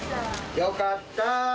よかった。